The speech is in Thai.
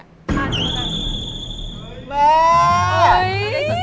อ้านมันก็นั่ง